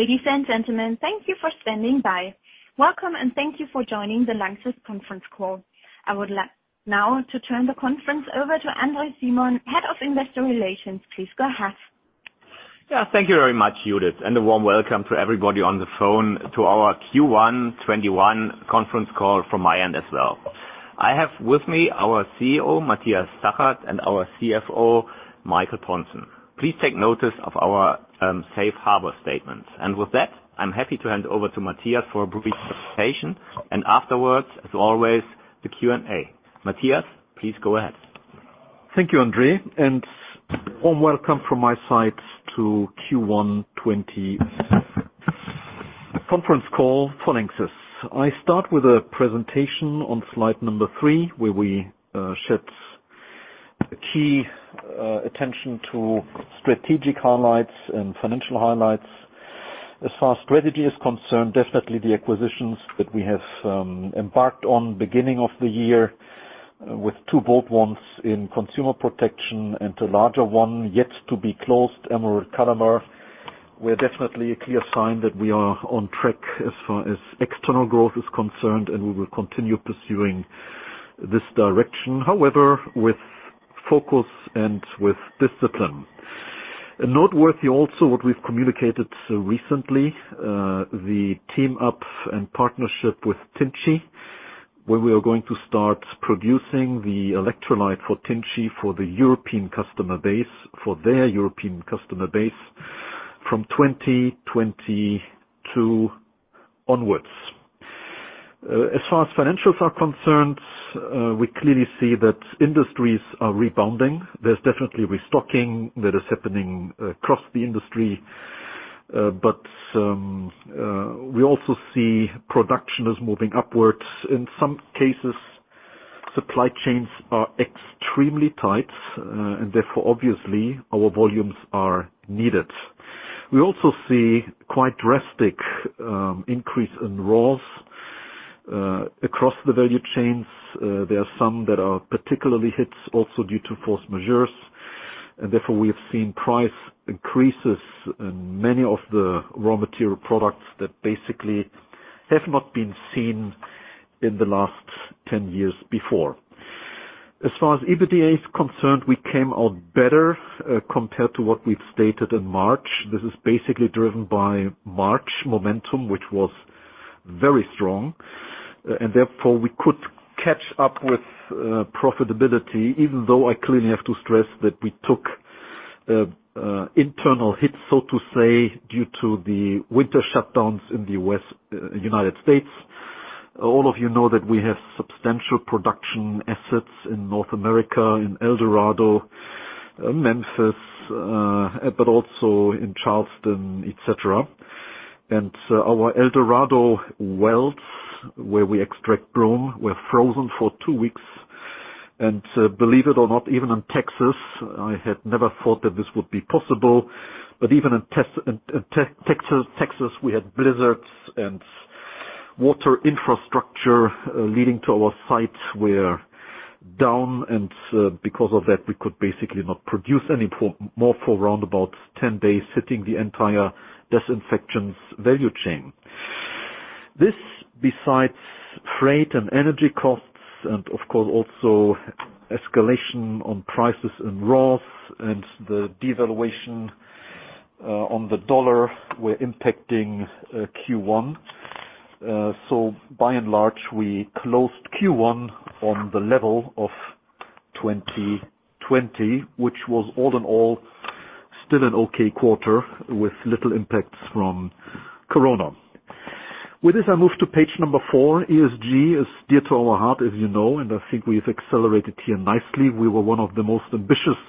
Ladies and gentlemen, thank you for standing by. Welcome, and thank you for joining the Lanxess conference call. I would like now to turn the conference over to André Simon, Head of Investor Relations. Please go ahead. Thank you very much, Judith, a warm welcome to everybody on the phone to our Q1 2021 conference call from my end as well. I have with me our CEO, Matthias Zachert, and our CFO, Michael Pontzen. Please take notice of our safe harbor statements. With that, I'm happy to hand over to Matthias for a brief presentation. Afterwards, as always, the Q&A. Matthias, please go ahead. Thank you, André, and warm welcome from my side to Q1 2021 conference call for Lanxess. I start with a presentation on slide number three, where we shed key attention to strategic highlights and financial highlights. As far as strategy is concerned, definitely the acquisitions that we have embarked on beginning of the year with two bold ones in Consumer Protection and the larger one yet to be closed, Emerald Kalama Chemical, were definitely a clear sign that we are on track as far as external growth is concerned. We will continue pursuing this direction. However, with focus and with discipline. Noteworthy also what we've communicated recently, the team-up and partnership with Tinci, where we are going to start producing the electrolyte for Tinci for the European customer base, for their European customer base from 2022 onwards. As far as financials are concerned, we clearly see that industries are rebounding. There's definitely restocking that is happening across the industry. We also see production is moving upwards. In some cases, supply chains are extremely tight. Therefore obviously our volumes are needed. We also see quite drastic increase in raws across the value chains. There are some that are particularly hit also due to force majeures. Therefore we have seen price increases in many of the raw material products that basically have not been seen in the last 10 years before. As far as EBITDA is concerned, we came out better, compared to what we've stated in March. This is basically driven by March momentum, which was very strong, and therefore we could catch up with profitability even though I clearly have to stress that we took internal hits, so to say, due to the winter shutdowns in the United States. All of you know that we have substantial production assets in North America, in El Dorado, Memphis, but also in Charleston, et cetera. Our El Dorado wells, where we extract bromine, were frozen for two weeks. Believe it or not, even in Texas, I had never thought that this would be possible, but even in Texas, we had blizzards and water infrastructure leading to our sites were down, and because of that, we could basically not produce any more for around about 10 days, hitting the entire disinfection value chain. This, besides freight and energy costs, and of course, also escalation on prices and raws and the devaluation on the dollar, were impacting Q1. By and large, we closed Q1 on the level of 2020, which was all in all still an okay quarter with little impacts from Corona. With this, I move to page number four. ESG is dear to our heart, as you know, I think we've accelerated here nicely. We were one of the most ambitious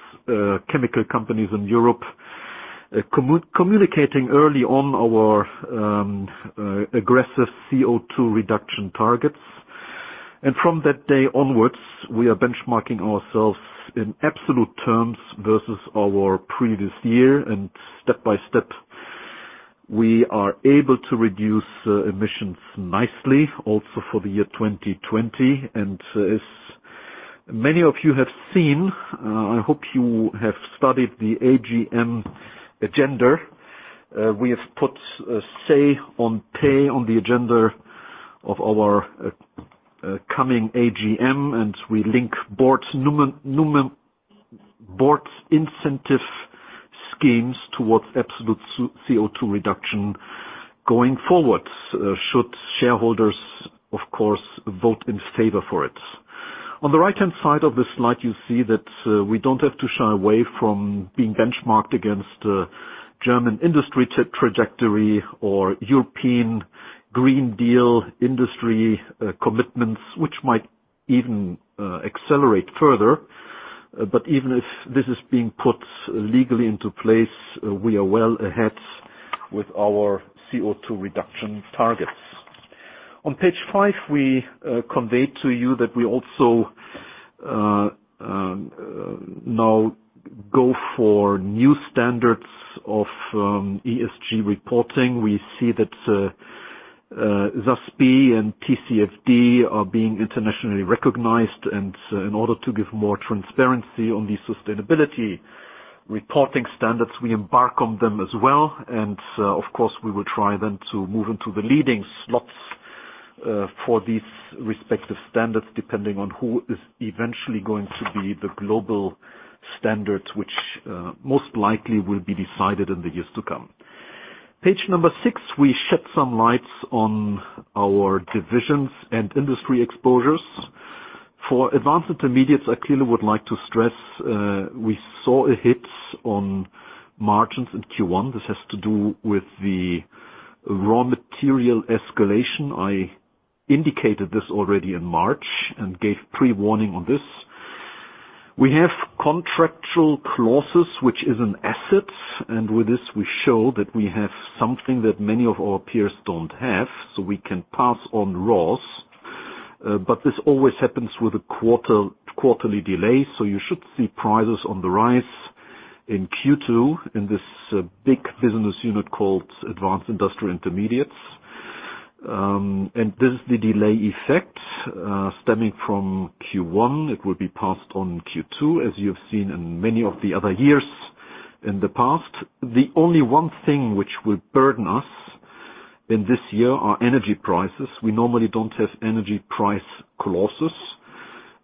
chemical companies in Europe, communicating early on our aggressive CO2 reduction targets. From that day onwards, we are benchmarking ourselves in absolute terms versus our previous year, and step by step, we are able to reduce emissions nicely also for the year 2020. As many of you have seen, I hope you have studied the AGM agenda. We have put say on pay on the agenda of our coming AGM, and we link boards incentive schemes towards absolute CO2 reduction going forward, should shareholders, of course, vote in favor for it. On the right-hand side of this slide, you see that we don't have to shy away from being benchmarked against German industry trajectory or European Green Deal industry commitments, which might even accelerate further. Even if this is being put legally into place, we are well ahead with our CO2 reduction targets. On page five, we conveyed to you that we also now go for new standards of ESG reporting. We see SASB and TCFD are being internationally recognized, and in order to give more transparency on the sustainability reporting standards, we embark on them as well. Of course, we will try then to move into the leading slots for these respective standards, depending on who is eventually going to be the global standard, which most likely will be decided in the years to come. Page number six, we shed some lights on our divisions and industry exposures. For Advanced Intermediates, I clearly would like to stress we saw a hit on margins in Q1. This has to do with the raw material escalation. I indicated this already in March and gave pre-warning on this. We have contractual clauses, which is an asset, and with this we show that we have something that many of our peers don't have, so we can pass on raws. This always happens with a quarterly delay. You should see prices on the rise in Q2 in this big business unit called Advanced Industrial Intermediates. This is the delay effect stemming from Q1. It will be passed on Q2, as you have seen in many of the other years in the past. The only one thing which will burden us in this year are energy prices. We normally don't have energy price clauses.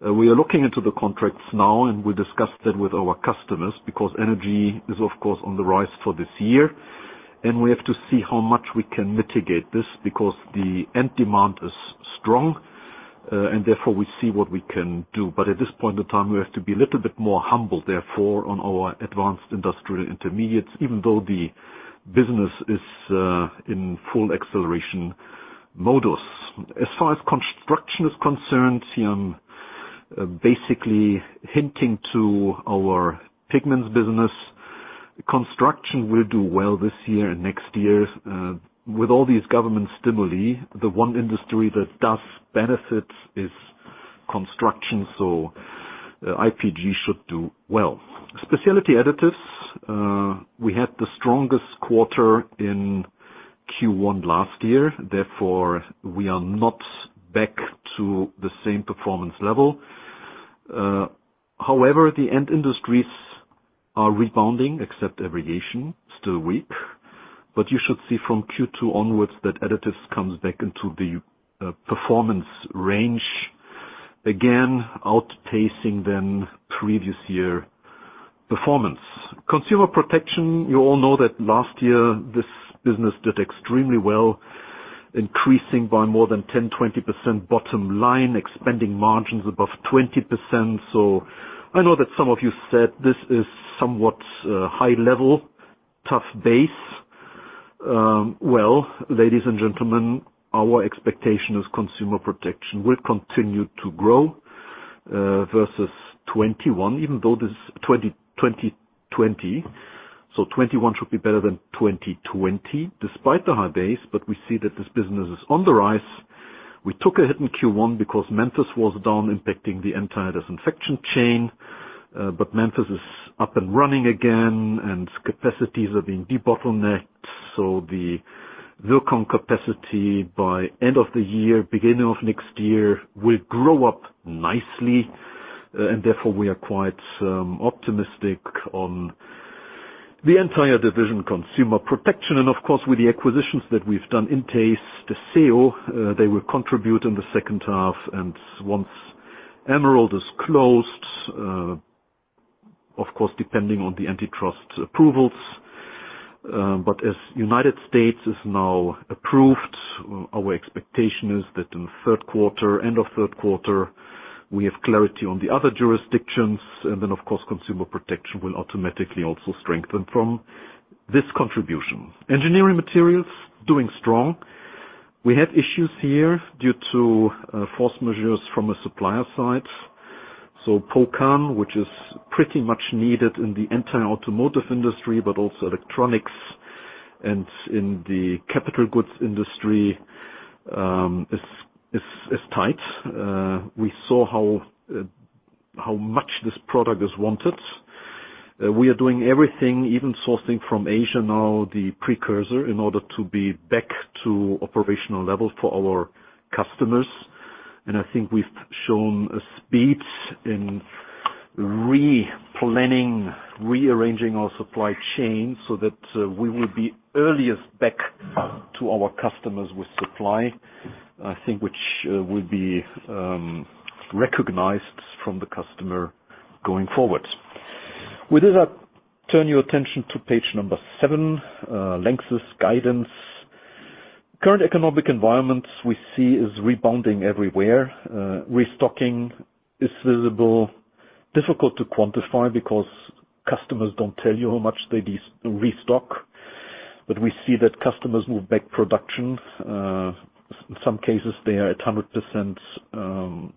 We are looking into the contracts now. We discussed it with our customers because energy is, of course, on the rise for this year. We have to see how much we can mitigate this because the end demand is strong. Therefore, we see what we can do. At this point in time, we have to be a little bit more humble, therefore, on our Advanced Industrial Intermediates, even though the business is in full acceleration modus. As far as construction is concerned, I'm basically hinting to our pigments business. Construction will do well this year and next year. With all these government stimuli, the one industry that does benefit is construction. IPG should do well. Specialty Additives. We had the strongest quarter in Q1 last year. Therefore, we are not back to the same performance level. However the end industries are rebounding, except aviation, still weak. You should see from Q2 onwards that additives comes back into the performance range. Again, outpacing then previous year performance. Consumer Protection. You all know that last year this business did extremely well, increasing by more than 10%-20% bottom line, expanding margins above 20%. I know that some of you said this is somewhat high level, tough base. Well, ladies and gentlemen, our expectation is Consumer Protection will continue to grow versus 2021, even though this is 2020. 2021 should be better than 2020 despite the high base. We see that this business is on the rise. We took a hit in Q1 because Memphis was down, impacting the entire disinfection chain. Memphis is up and running again, and capacities are being debottlenecked. The Virkon capacity by end of the year, beginning of next year, will grow up nicely, and therefore we are quite optimistic on the entire division of Consumer Protection. Of course, with the acquisitions that we've done, INTACE, Theseo, they will contribute in the second half. Once Emerald is closed, of course, depending on the antitrust approvals. As United States is now approved, our expectation is that in third quarter, end of third quarter, we have clarity on the other jurisdictions. Of course, Consumer Protection will automatically also strengthen from this contribution. Engineering Materials, doing strong. We have issues here due to force majeures from a supplier side. Pocan, which is pretty much needed in the entire automotive industry, but also electronics and in the capital goods industry is tight. We saw how much this product is wanted. We are doing everything, even sourcing from Asia now the precursor in order to be back to operational levels for our customers. I think we've shown a speed in replanning, rearranging our supply chain so that we will be earliest back to our customers with supply, I think, which will be recognized from the customer going forward. With that, I turn your attention to page number seven, Lanxess guidance. Current economic environment we see is rebounding everywhere. Restocking is visible. Difficult to quantify because customers don't tell you how much they restock. We see that customers move back production. In some cases, they are at 100%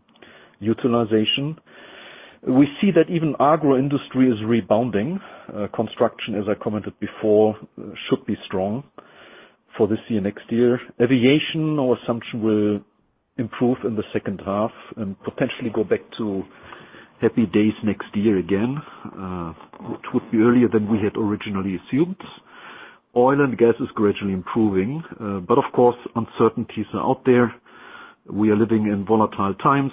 utilization. We see that even agro industry is rebounding. Construction, as I commented before, should be strong for this year, next year. Aviation, our assumption will improve in the second half and potentially go back to happy days next year again, which would be earlier than we had originally assumed. Oil and gas is gradually improving, but of course, uncertainties are out there. We are living in volatile times.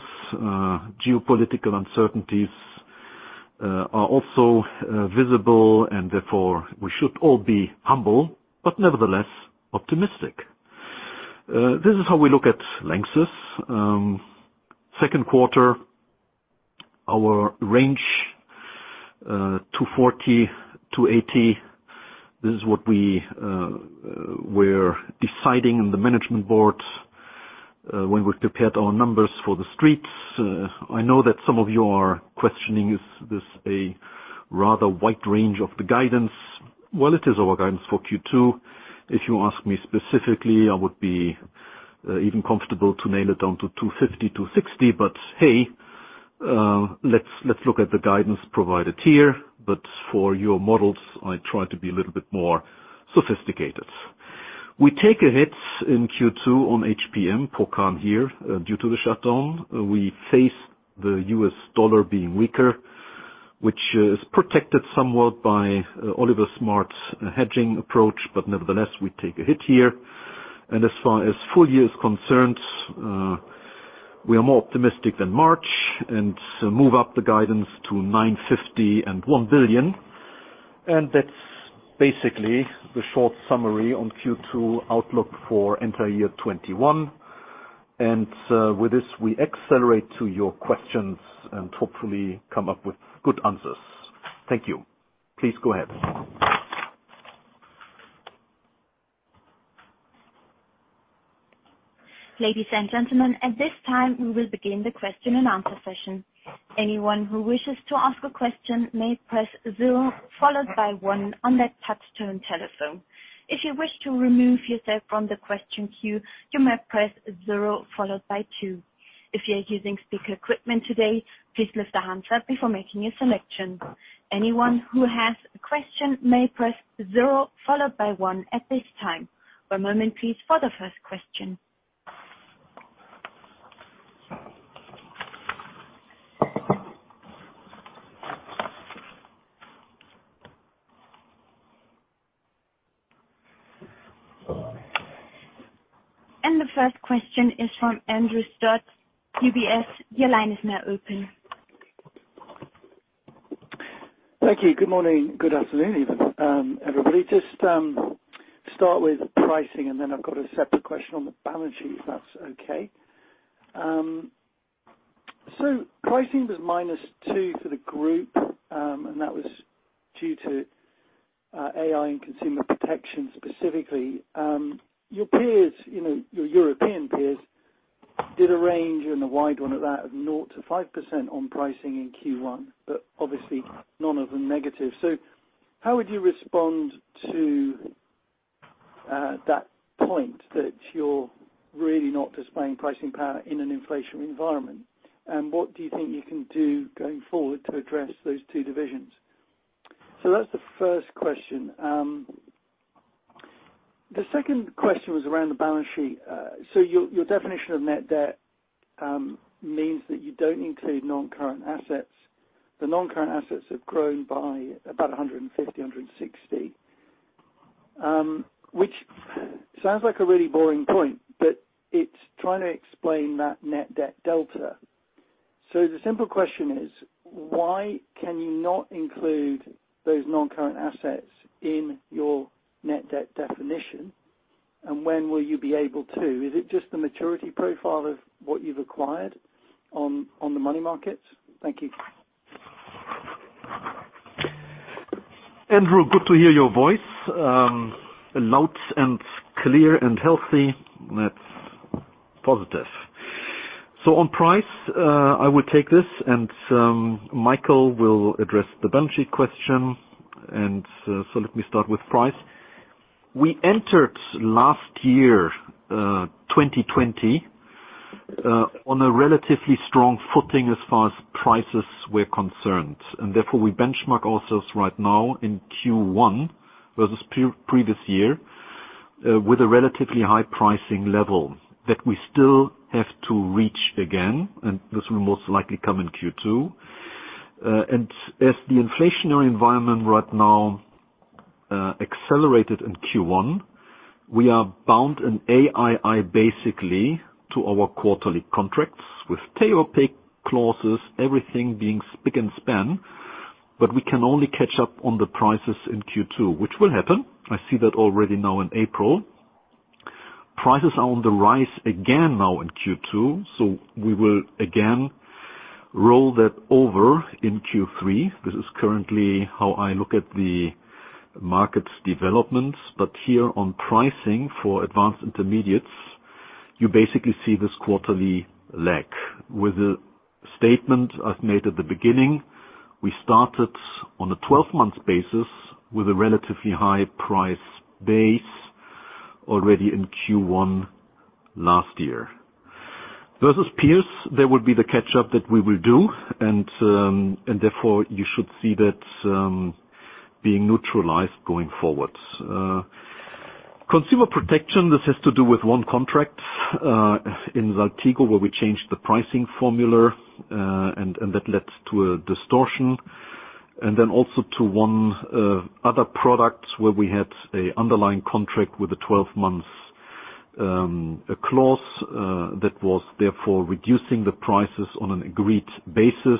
Therefore, we should all be humble, but nevertheless, optimistic. This is how we look at Lanxess. Second quarter, our range, 240-280. This is what we were deciding in the management board when we prepared our numbers for the streets. I know that some of you are questioning, is this a rather wide range of the guidance? Well, it is our guidance for Q2. If you ask me specifically, I would be even comfortable to nail it down to 250-260. Hey, let's look at the guidance provided here. For your models, I try to be a little bit more sophisticated. We take a hit in Q2 on HPM, Pocan here, due to the shutdown. We face the US dollar being weaker, which is protected somewhat by Oliver Stratmann's hedging approach, but nevertheless, we take a hit here. As far as full year is concerned, we are more optimistic than March and move up the guidance to 950 million and 1 billion. That's basically the short summary on Q2 outlook for entire year 2021. With this, we accelerate to your questions and hopefully come up with good answers. Thank you. Please go ahead. Ladies and gentlemen, at this time, we will begin the question and answer session. Anyone who wishes to ask a question may press zero followed by one on their touch-tone telephone. If you wish to remove yourself from the question queue, you may press zero followed by two. If you're using speaker equipment today, please lift the handset before making your selection. Anyone who has a question may press zero followed by one at this time. One moment, please, for the first question. The first question is from Andrew Stott, UBS. Your line is now open. Thank you. Good morning. Good afternoon, everybody. Just start with pricing, and then I've got a separate question on the balance sheet, if that's okay. Pricing was -2% for the group, and that was due to AII and Consumer Protection, specifically. Your peers, your European peers, did a range and a wide one of that of 0%-5% on pricing in Q1, but obviously none of them negative. How would you respond to that point that you're really not displaying pricing power in an inflationary environment? What do you think you can do going forward to address those two divisions? That's the first question. The second question was around the balance sheet. Your definition of net debt means that you don't include non-current assets. The non-current assets have grown by about 150, 160, which sounds like a really boring point, but it's trying to explain that net debt delta. The simple question is, why can you not include those non-current assets in your net debt definition, and when will you be able to? Is it just the maturity profile of what you've acquired on the money markets? Thank you. Andrew, good to hear your voice. Loud and clear and healthy. That's positive. On price, I will take this, and Michael will address the balance sheet question. Let me start with price. We entered last year, 2020, on a relatively strong footing as far as prices were concerned. Therefore, we benchmark ourselves right now in Q1 versus previous year with a relatively high pricing level that we still have to reach again, and this will most likely come in Q2. As the inflationary environment right now accelerated in Q1, we are bound in AII basically to our quarterly contracts with take-or-pay clauses, everything being spick and span. We can only catch up on the prices in Q2, which will happen. I see that already now in April. Prices are on the rise again now in Q2. We will again roll that over in Q3. This is currently how I look at the market developments. Here on pricing for Advanced Intermediates, you basically see this quarterly lag. With the statement I've made at the beginning, we started on a 12-month basis with a relatively high price base already in Q1 last year. Versus peers, that would be the catch-up that we will do, and therefore you should see that being neutralized going forward. Consumer Protection, this has to do with one contract in Saltigo, where we changed the pricing formula, and that led to a distortion. Also to one other product where we had an underlying contract with a 12-month clause, that was therefore reducing the prices on an agreed basis.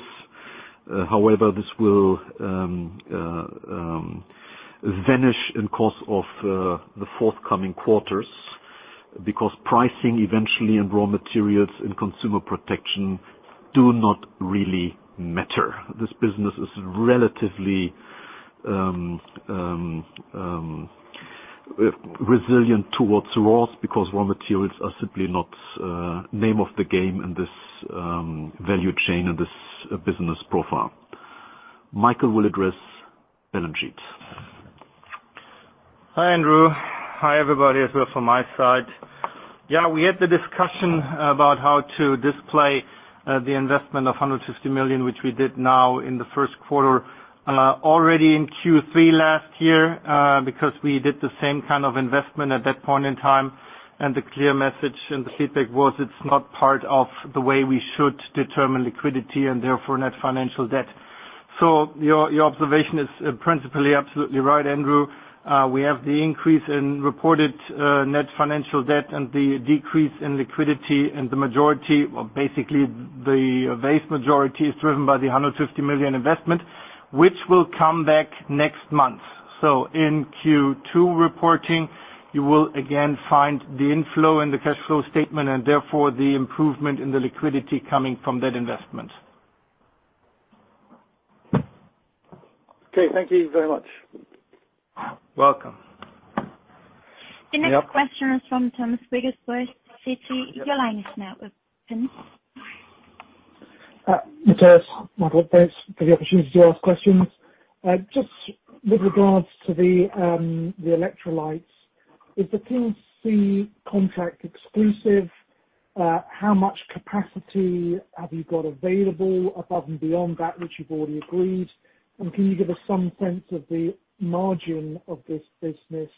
However, this will vanish in course of the forthcoming quarters because pricing eventually and raw materials in Consumer Protection do not really matter. This business is relatively resilient towards raw, because raw materials are simply not name of the game in this value chain and this business profile. Michael will address Baljeet. Hi, Andrew. Hi, everybody as well from my side. We had the discussion about how to display the investment of 150 million, which we did now in the first quarter. Already in Q3 last year, because we did the same kind of investment at that point in time, and the clear message and the feedback was, it's not part of the way we should determine liquidity and therefore net financial debt. Your observation is principally absolutely right, Andrew. We have the increase in reported net financial debt and the decrease in liquidity and the majority, or basically the vast majority is driven by the 150 million investment, which will come back next month. In Q2 reporting, you will again find the inflow and the cash flow statement and therefore the improvement in the liquidity coming from that investment. Okay. Thank you very much. Welcome. The next question is from Thomas Wrigglesworth with Citi. Your line is now open. Matthias, Michael, thanks for the opportunity to ask questions. Just with regards to the electrolytes. Is the Tinci contract exclusive? How much capacity have you got available above and beyond that which you've already agreed? Can you give us some sense of the margin of this business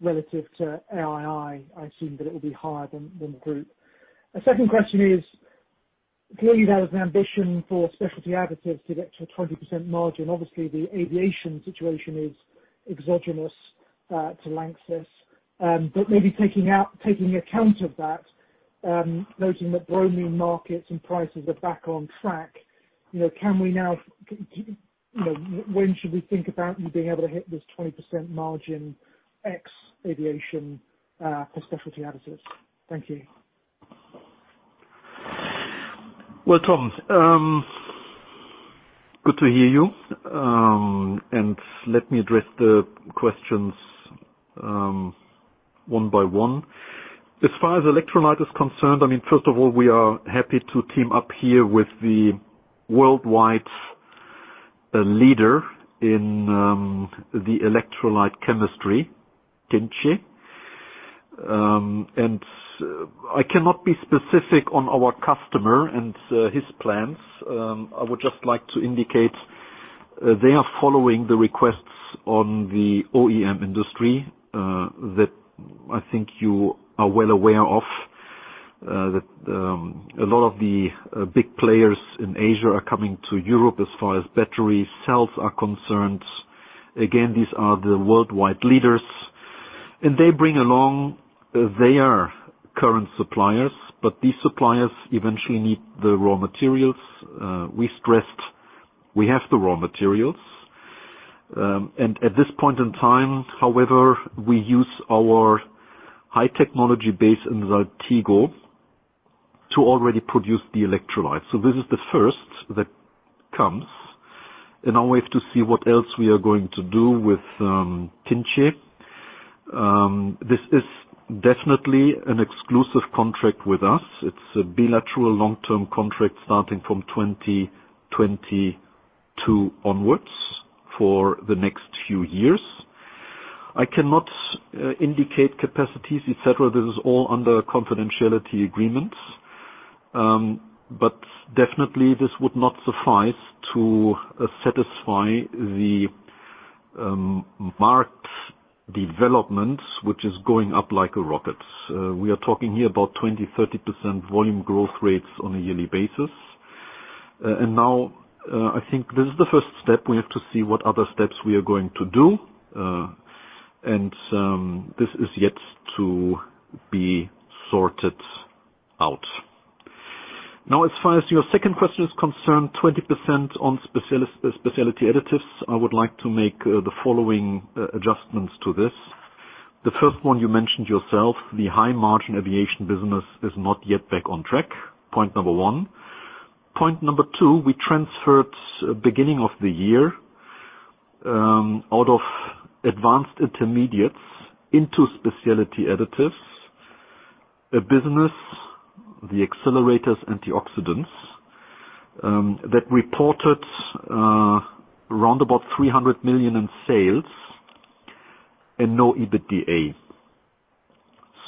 relative to AII? I assume that it will be higher than the group. A second question is, clearly you have an ambition for Specialty Additives to get to a 20% margin. Obviously, the aviation situation is exogenous to Lanxess. Maybe taking account of that, noting that bromine markets and prices are back on track, when should we think about you being able to hit this 20% margin ex aviation, for Specialty Additives? Thank you. Well, Tom, good to hear you. Let me address the questions one by one. As far as electrolyte is concerned, I mean, first of all, we are happy to team up here with the worldwide leader in the electrolyte chemistry, Tinci. I cannot be specific on our customer and his plans. I would just like to indicate they are following the requests on the OEM industry, that I think you are well aware of. That a lot of the big players in Asia are coming to Europe as far as battery cells are concerned. Again, these are the worldwide leaders. They bring along their current suppliers, but these suppliers eventually need the raw materials. We stressed we have the raw materials. At this point in time, however, we use our high technology base in Saltigo to already produce the electrolyte. This is the first that comes. Now we have to see what else we are going to do with Tinci. This is definitely an exclusive contract with us. It's a bilateral long-term contract starting from 2022 onwards for the next few years. I cannot indicate capacities, et cetera. This is all under confidentiality agreements. Definitely this would not suffice to satisfy the market development, which is going up like a rocket. We are talking here about 20%-30% volume growth rates on a yearly basis. Now, I think this is the first step. We have to see what other steps we are going to do. This is yet to be sorted out. Now, as far as your second question is concerned, 20% on Specialty Additives, I would like to make the following adjustments to this. The first one you mentioned yourself, the high-margin aviation business is not yet back on track. Point number one. Point number two, we transferred beginning of the year, out of Advanced Intermediates into Specialty Additives, a business, the accelerators antioxidants, that reported around about 300 million in sales and no EBITDA.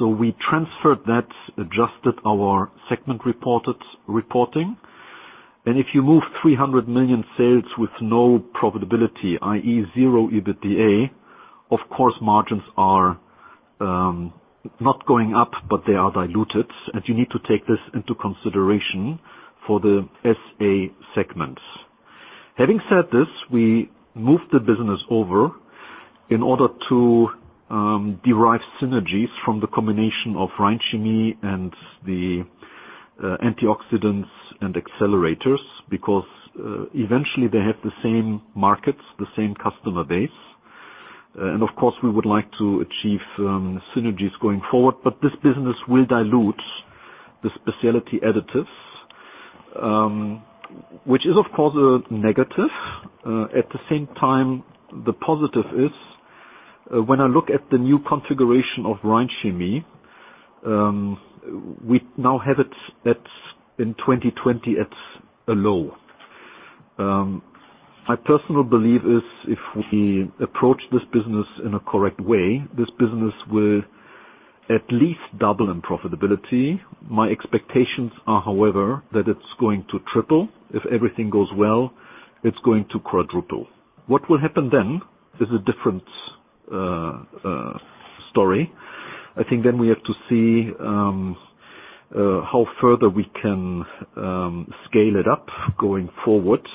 We transferred that, adjusted our segment reporting. If you move 300 million sales with no profitability, i.e., zero EBITDA, of course, margins are not going up, but they are diluted, and you need to take this into consideration for the SA segments. Having said this, we moved the business over in order to derive synergies from the combination of Rhein Chemie and the antioxidants and accelerators, because eventually they have the same markets, the same customer base. Of course, we would like to achieve synergies going forward. This business will dilute the Specialty Additives, which is, of course, a negative. At the same time, the positive is, when I look at the new configuration of Rhein Chemie, we now have it in 2020 at a low. My personal belief is if we approach this business in a correct way, this business will at least double in profitability. My expectations are, however, that it's going to triple. If everything goes well, it's going to quadruple. What will happen then is a different story. I think then we have to see how further we can scale it up going forward.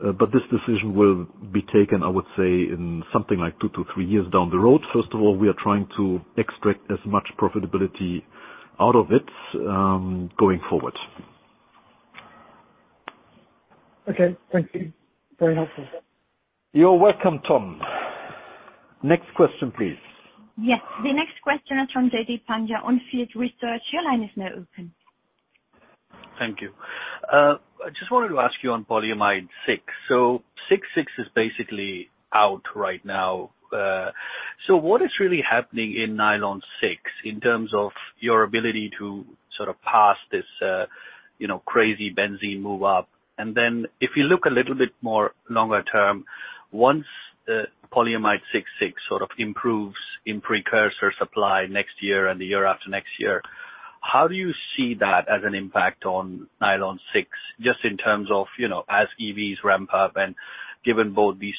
This decision will be taken, I would say, in something like two to three years down the road. First of all, we are trying to extract as much profitability out of it, going forward. Okay. Thank you. Very helpful. You're welcome, Tom. Next question, please. Yes, the next question is from Jaideep Pandya On Field Research. Your line is now open. Thank you. I just wanted to ask you on polyamide 6. 6,6 is basically out right now. What is really happening in nylon 6 in terms of your ability to sort of pass this crazy benzene move up? If you look a little bit more longer term, once the polyamide 6,6 sort of improves in precursor supply next year and the year after next year, how do you see that as an impact on nylon 6, just in terms of as EVs ramp up and given both these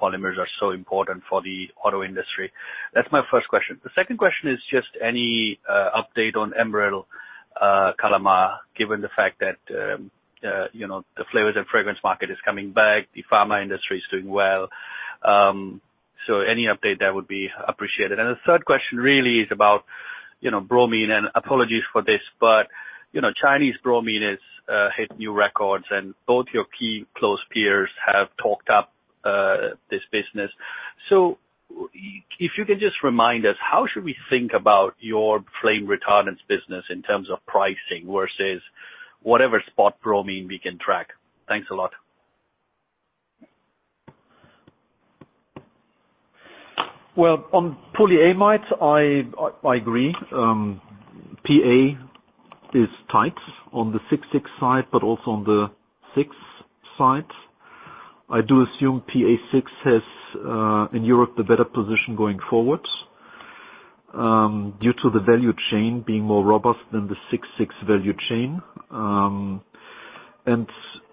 polymers are so important for the auto industry? That's my first question. The second question is just any update on Emerald Kalama, given the fact that the flavors and fragrance market is coming back, the pharma industry is doing well. Any update there would be appreciated. The third question really is about bromine, and apologies for this, but Chinese bromine has hit new records, and both your key close peers have talked up this business. If you can just remind us, how should we think about your flame retardants business in terms of pricing versus whatever spot bromine we can track? Thanks a lot. On polyamides, I agree. PA is tight on the 6,6 side, also on the 6 side. I do assume PA6 has, in Europe, the better position going forward, due to the value chain being more robust than the 6,6 value chain.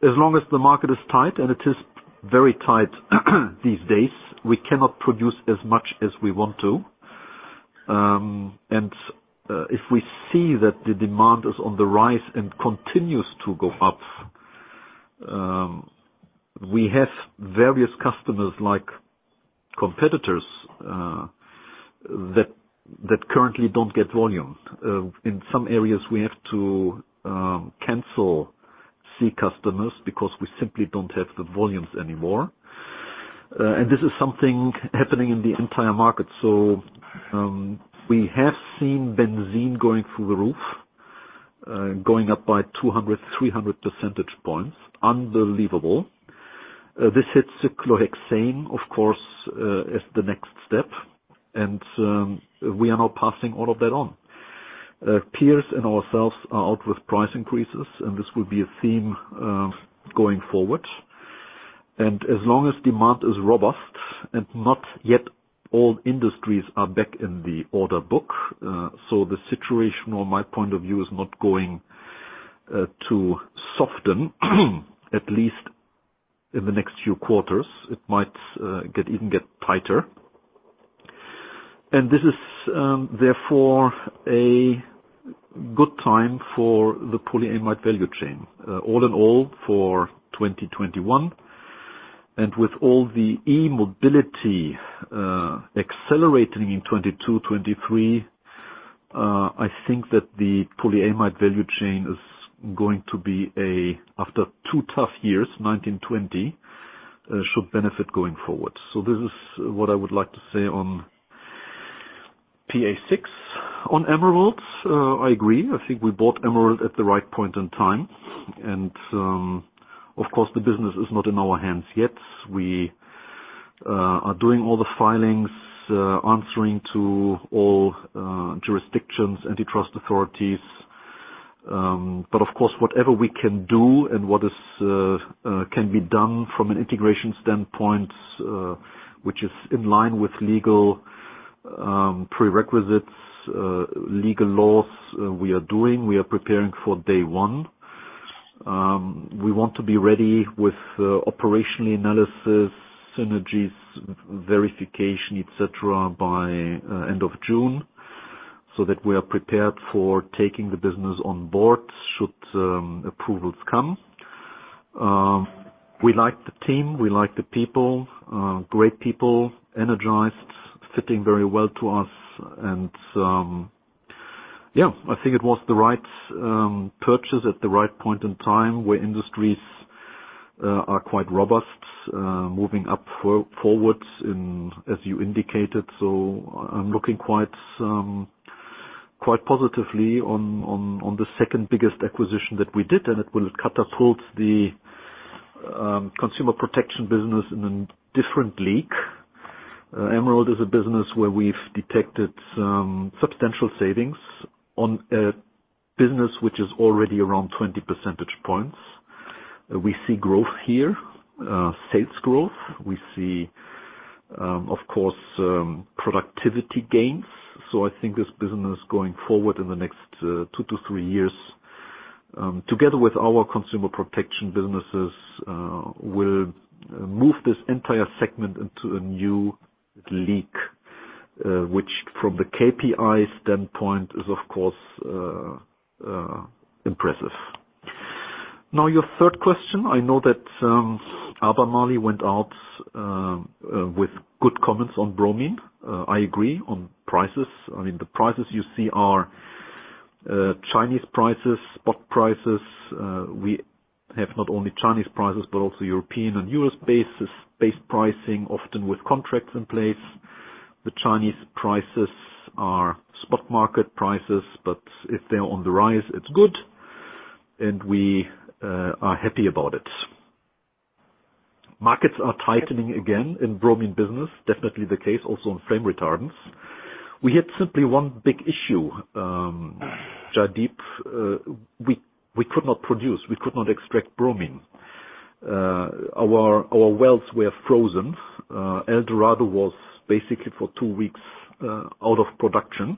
As long as the market is tight, and it is very tight these days, we cannot produce as much as we want to. If we see that the demand is on the rise and continues to go up, we have various customers, like competitors, that currently don't get volume. In some areas, we have to cancel key customers because we simply don't have the volumes anymore. This is something happening in the entire market. We have seen benzene going through the roof, going up by 200, 300 percentage points. Unbelievable. This hits cyclohexane, of course, as the next step. We are now passing all of that on. Peers and ourselves are out with price increases, and this will be a theme going forward. As long as demand is robust and not yet all industries are back in the order book. The situation from my point of view is not going to soften, at least in the next few quarters. It might even get tighter. This is therefore a good time for the polyamide value chain. All in all, for 2021, with all the e-mobility accelerating in 2022, 2023, I think that the polyamide value chain is going to be after two tough years, 2019, 2020, should benefit going forward. This is what I would like to say on PA6. On Emerald, I agree. I think we bought Emerald at the right point in time. Of course, the business is not in our hands yet. We are doing all the filings, answering to all jurisdictions, antitrust authorities. Of course, whatever we can do and what can be done from an integration standpoint, which is in line with legal prerequisites, legal laws, we are doing. We are preparing for day one. We want to be ready with operational analysis, synergies, verification, et cetera, by end of June, so that we are prepared for taking the business on board should approvals come. We like the team, we like the people. Great people, energized, fitting very well to us. Yeah, I think it was the right purchase at the right point in time, where industries are quite robust, moving up forwards, as you indicated. I'm looking quite positively on the second biggest acquisition that we did, and it will catapult the Consumer Protection business in a different league. Emerald is a business where we've detected some substantial savings on a business which is already around 20 percentage points. We see growth here, sales growth. We see, of course, productivity gains. I think this business going forward in the next two to three years, together with our Consumer Protection businesses, will move this entire segment into a new league. Which from the KPI standpoint is, of course, impressive. Your third question, I know that Albemarle went out with good comments on bromine. I agree on prices. I mean, the prices you see are Chinese prices, spot prices. We have not only Chinese prices, but also European and U.S.-based pricing, often with contracts in place. The Chinese prices are spot market prices, but if they're on the rise, it's good, and we are happy about it. Markets are tightening again in bromine business, definitely the case also on flame retardants. We had simply one big issue, Jaideep. We could not produce. We could not extract bromine. Our wells were frozen. El Dorado was basically for two weeks out of production.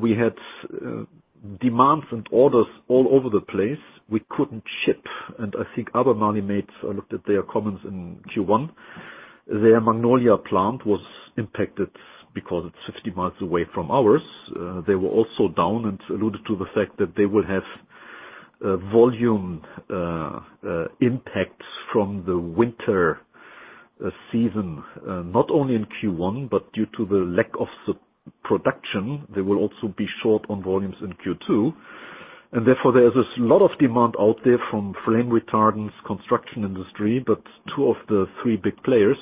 We had demands and orders all over the place. We couldn't ship. I looked at their comments in Q1. Their Magnolia plant was impacted because it's 50 miles away from ours. They were also down and alluded to the fact that they will have volume impacts from the winter season, not only in Q1, but due to the lack of production, they will also be short on volumes in Q2. Therefore there is a lot of demand out there from flame retardants, construction industry, but two of the three big players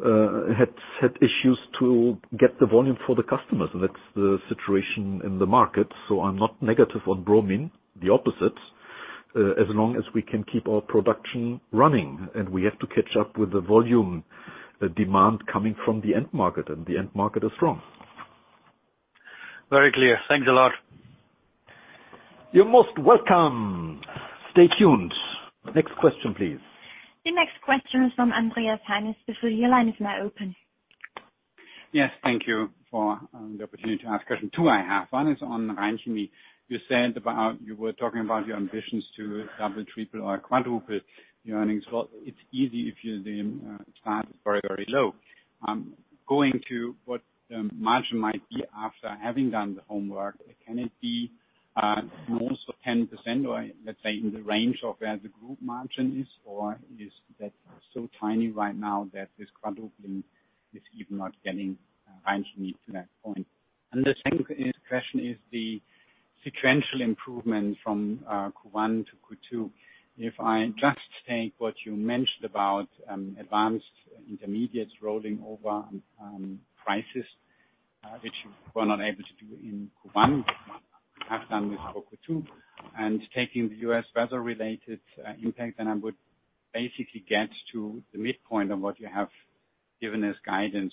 had issues to get the volume for the customers. That's the situation in the market. I'm not negative on bromine, the opposite, as long as we can keep our production running. We have to catch up with the volume demand coming from the end market, and the end market is strong. Very clear. Thanks a lot. You're most welcome. Stay tuned. Next question, please. The next question is from Andreas Heine. Sir, your line is now open. Yes. Thank you for the opportunity to ask question two I have. One is on Rhein Chemie. You were talking about your ambitions to double, triple, or quadruple your earnings. Well, it's easy if your starting point is very low. Going to what the margin might be after having done the homework, can it be close to 10% or, let's say, in the range of where the group margin is? Is that so tiny right now that this quadrupling is even not getting Rhein Chemie to that point? The second question is the sequential improvement from Q1 to Q2. If I just take what you mentioned about Advanced Intermediates rolling over on prices, which you were not able to do in Q1, have done with Q2, and taking the U.S. weather-related impact, then I would basically get to the midpoint of what you have given as guidance.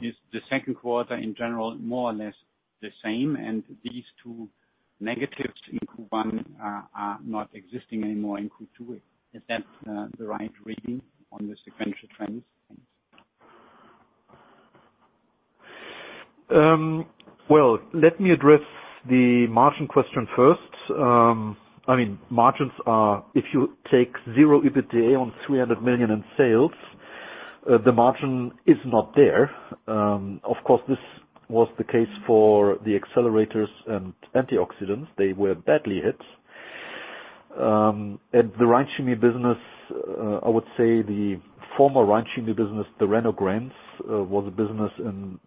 Is the second quarter in general more or less the same, and these two negatives in Q1 are not existing anymore in Q2? Is that the right reading on the sequential trends? Thanks. Well, let me address the margin question first. Margins are, if you take zero EBITDA on 300 million in sales, the margin is not there. Of course, this was the case for the accelerators and antioxidants. They were badly hit. At the Rhein Chemie business, I would say the former Rhein Chemie business, the Rhenograns, was a business in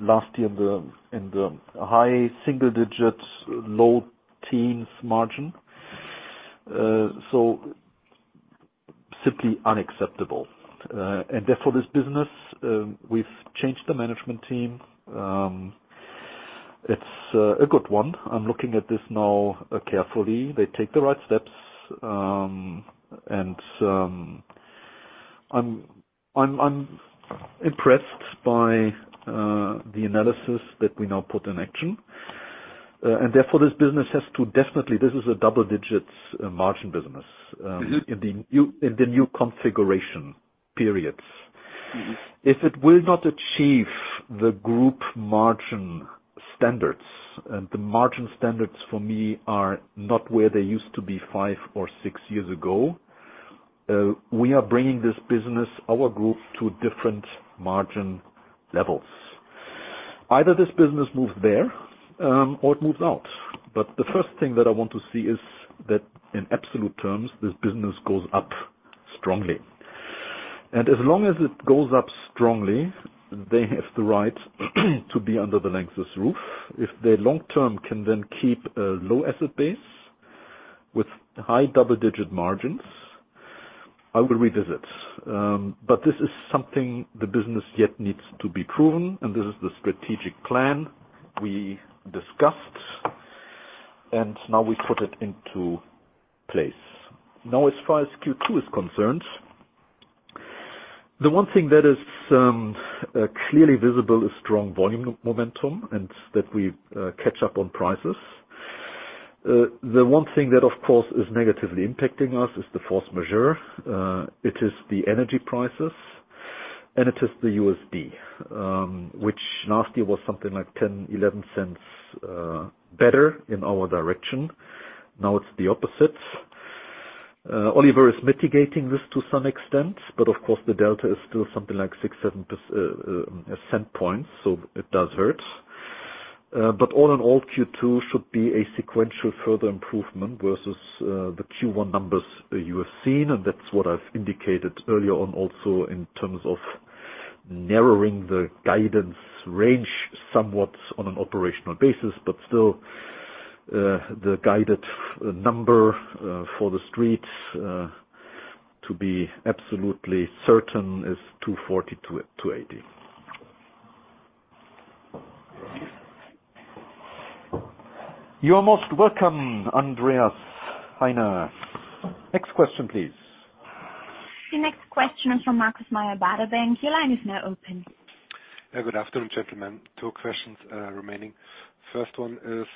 last year in the high single digits, low teens margin. Simply unacceptable. Therefore this business, we've changed the management team. It's a good one. I'm looking at this now carefully. They take the right steps. I'm impressed by the analysis that we now put in action. Therefore this business, definitely, this is a double digits margin business in the new configuration periods. If it will not achieve the group margin standards, and the margin standards for me are not where they used to be five or six years ago. We are bringing this business, our group, to different margin levels. Either this business moves there or it moves out. The first thing that I want to see is that in absolute terms, this business goes up strongly. As long as it goes up strongly, they have the right to be under the Lanxess roof. If they long-term can then keep a low asset base with high double-digit margins, I will revisit. This is something the business yet needs to be proven, and this is the strategic plan we discussed, and now we put it into place. Now, as far as Q2 is concerned, the one thing that is clearly visible is strong volume momentum and that we catch up on prices. The one thing that, of course, is negatively impacting us is the force majeure. It is the energy prices and it is the USD, which last year was something like 0.10, 0.11 better in our direction. Now it's the opposite. Oliver is mitigating this to some extent, but of course the delta is still something like 0.06, 0.07 points, so it does hurt. All in all Q2 should be a sequential further improvement versus the Q1 numbers you have seen, and that's what I've indicated earlier on also in terms of narrowing the guidance range somewhat on an operational basis, but still, the guided number for the streets to be absolutely certain is 240-280. You are most welcome, Andreas Heine. Next question, please. The next question from Markus Mayer, Baader Bank. Your line is now open. Good afternoon, gentlemen. Two questions remaining. First one is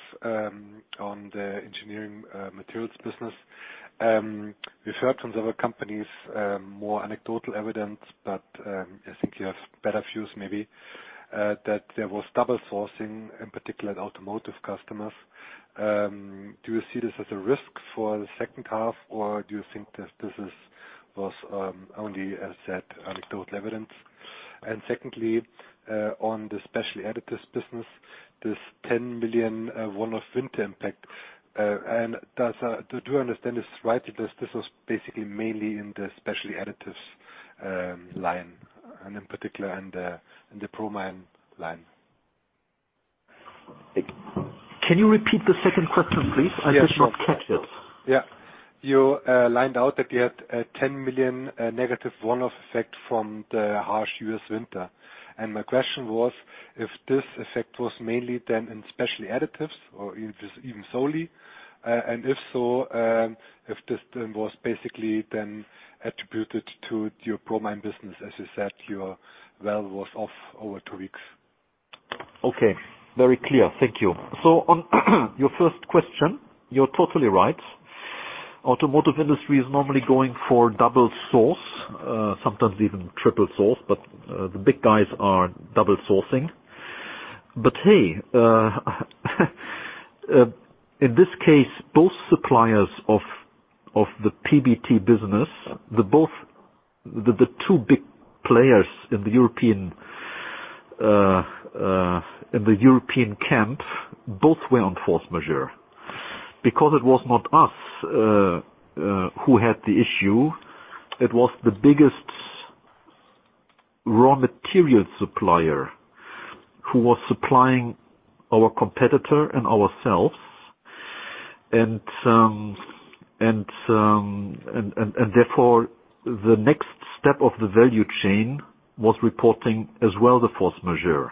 on the Engineering Materials business. We've heard from other companies, more anecdotal evidence, but I think you have better views maybe, that there was double sourcing, in particular the automotive customers. Do you see this as a risk for the second half, or do you think that this was only as I said, anecdotal evidence? Secondly, on the Specialty Additives business, this 10 million one-off winter impact. Do I understand this right? This was basically mainly in the Specialty Additives line and in particular in the bromine line. Can you repeat the second question, please? I did not catch it. Yeah. You lined out that you had a 10 million negative one-off effect from the harsh U.S. winter. My question was if this effect was mainly then in Specialty Additives or if it's even solely, and if so, if this then was basically then attributed to your bromine business, as you said, your valve was off over two weeks. Okay. Very clear. Thank you. On your first question, you're totally right. Automotive industry is normally going for double source, sometimes even triple source, but the big guys are double sourcing. Hey, in this case, both suppliers of the PBT business, the two big players in the European camp both were on force majeure. It was not us who had the issue, it was the biggest raw material supplier who was supplying our competitor and ourselves. Therefore, the next step of the value chain was reporting as well the force majeure,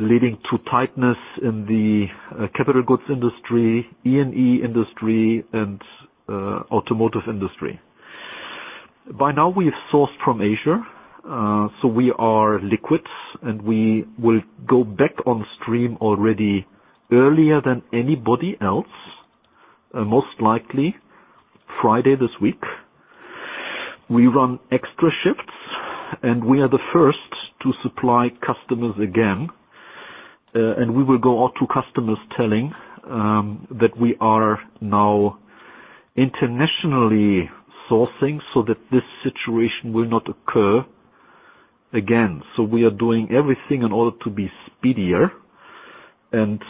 leading to tightness in the capital goods industry, E&E industry, and automotive industry. By now we have sourced from Asia, so we are liquid and we will go back on stream already earlier than anybody else, most likely Friday this week. We run extra shifts, we are the first to supply customers again, we will go out to customers telling that we are now internationally sourcing so that this situation will not occur again. We are doing everything in order to be speedier and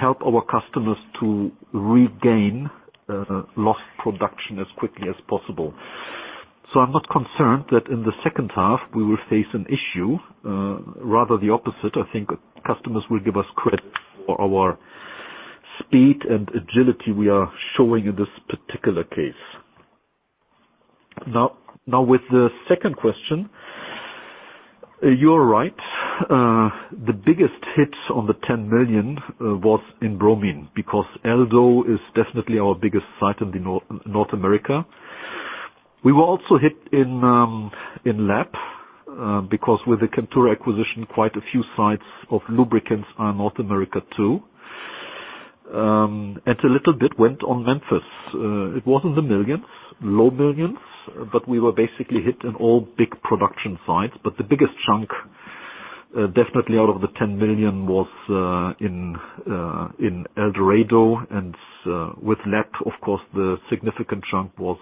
help our customers to regain lost production as quickly as possible. I'm not concerned that in the second half we will face an issue. Rather the opposite, I think customers will give us credit for our speed and agility we are showing in this particular case. Now, with the second question. You're right. The biggest hit on the 10 million was in bromine, because Eldo is definitely our biggest site in North America. We were also hit in LAB, because with the Chemtura acquisition, quite a few sites of lubricants are in North America too. A little bit went on Memphis. It wasn't the millions, low millions, but we were basically hit in all big production sites. The biggest chunk, definitely out of the 10 million, was in El Dorado. With LAB, of course, the significant chunk was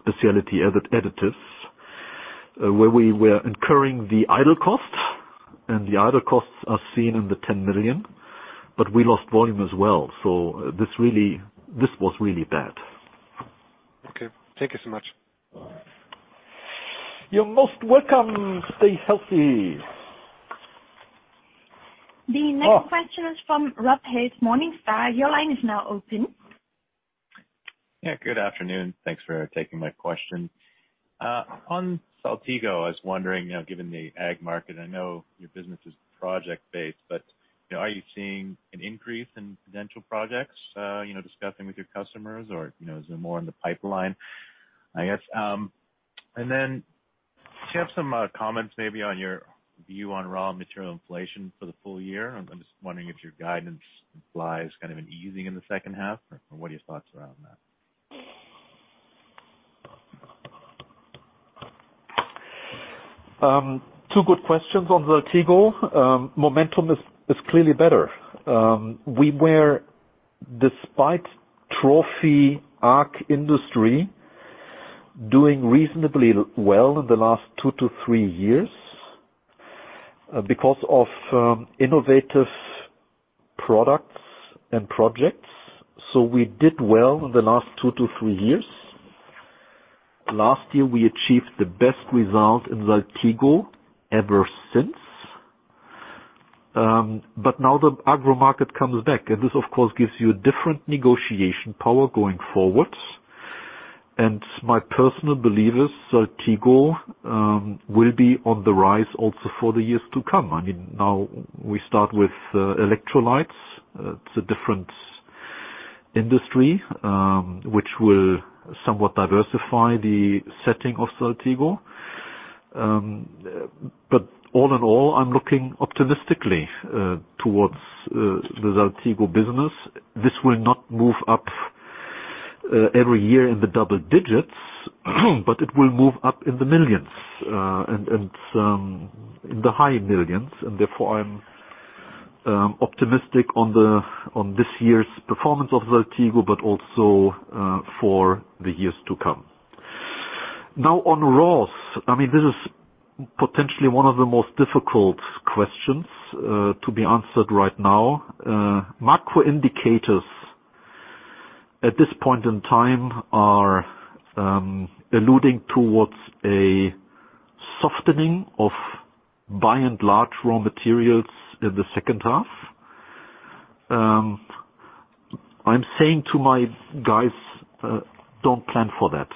Specialty Additives, where we were incurring the idle cost, and the idle costs are seen in the 10 million. We lost volume as well, so this was really bad. Okay. Thank you so much. You're most welcome. Stay healthy. The next question is from Rob Hales, Morningstar. Your line is now open. Yeah, good afternoon. Thanks for taking my question. On Saltigo, I was wondering, given the ag market, I know your business is project-based, but are you seeing an increase in potential projects, discussing with your customers? Is there more in the pipeline, I guess? Do you have some comments maybe on your view on raw material inflation for the full year? I'm just wondering if your guidance implies an easing in the second half. What are your thoughts around that? Two good questions. On Saltigo, momentum is clearly better. We were, despite trophy ag industry, doing reasonably well in the last two to three years because of innovative products and projects. We did well in the last two to three years. Last year, we achieved the best result in Saltigo ever since. Now the agro market comes back, and this, of course, gives you a different negotiation power going forward. My personal belief is Saltigo will be on the rise also for the years to come. Now we start with electrolytes. It's a different industry, which will somewhat diversify the setting of Saltigo. All in all, I'm looking optimistically towards the Saltigo business. This will not move up every year in the double digits, but it will move up in the millions, and in the high millions. Therefore, I'm optimistic on this year's performance of Saltigo, but also for the years to come. Now on raws. This is potentially one of the most difficult questions to be answered right now. Macro indicators at this point in time are alluding towards a softening of by and large raw materials in the second half. I'm saying to my guys, "Don't plan for that."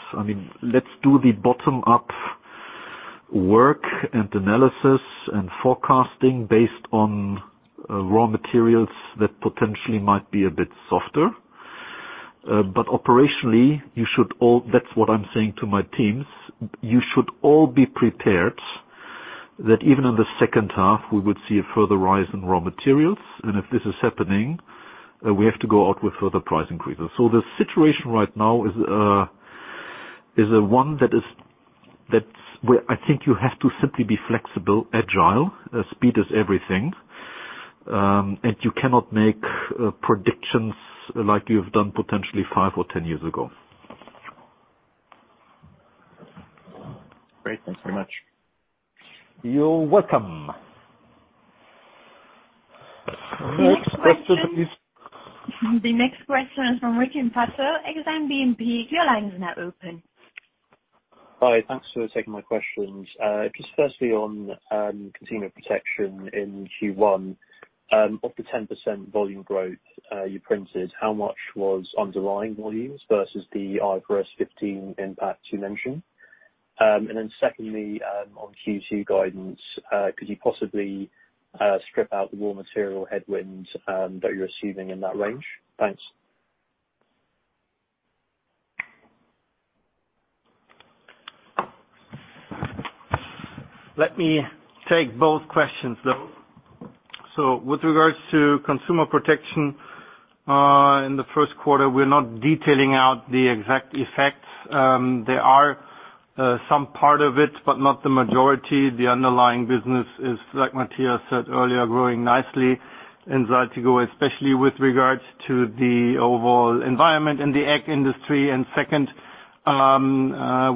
Let's do the bottom-up work and analysis and forecasting based on raw materials that potentially might be a bit softer. Operationally, that's what I'm saying to my teams. You should all be prepared that even in the second half, we would see a further rise in raw materials. If this is happening, we have to go out with further price increases. The situation right now is one that I think you have to simply be flexible, agile. Speed is everything. You cannot make predictions like you've done potentially five or 10 years ago. Great. Thanks so much. You're welcome. The next question. Next question, please. The next question is from Georgina Iwamoto, Exane BNP. Your line is now open. Hi. Thanks for taking my questions. Just firstly on Consumer Protection in Q1. Of the 10% volume growth you printed, how much was underlying volumes versus the IFRS 15 impact you mentioned? Secondly, on Q2 guidance, could you possibly strip out the raw material headwinds that you're assuming in that range? Thanks. Let me take both questions, though. With regards to Consumer Protection in the first quarter, we're not detailing out the exact effects. They are some part of it, but not the majority. The underlying business is, like Matthias said earlier, growing nicely in Saltigo, especially with regards to the overall environment in the ag industry. Second,